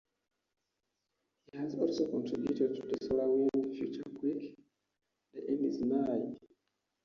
He has also contributed to "Solar Wind", "FutureQuake", "The End Is Nigh".